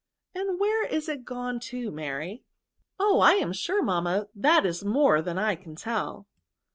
" And where is it gone to, Mary ?" z 3 258 VERBS. " Oh ! I am sure, mamma^ that is more than I can tell."